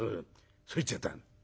そう言っちゃったの」。